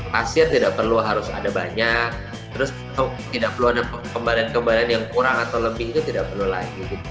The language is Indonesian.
pasien tidak perlu harus ada banyak terus tidak perlu ada kembaran kembaran yang kurang atau lebih itu tidak perlu lagi